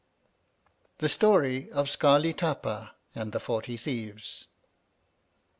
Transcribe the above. THE STOUT OF SCAELI TAPA AND THE FORTY THIEVES.